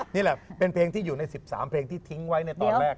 นี่แหละเป็นเพลงที่อยู่ใน๑๓เพลงที่ทิ้งไว้ในตอนแรก